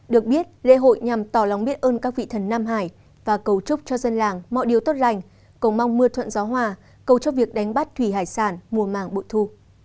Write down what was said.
được biết lễ hội nhằm tỏ lòng biết ơn các vị thần nam hải và cầu chúc cho dân làng mọi điều tốt lành cầu mong mưa thuận gió hòa cầu cho việc đánh bắt thủy hải sản mùa màng bội thu